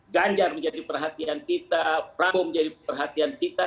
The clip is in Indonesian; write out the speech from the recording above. ganjar menjadi perhatian kita prabowo menjadi perhatian kita